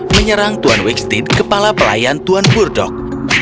menyerang tuan wickstead kepala pelayan tuan burdok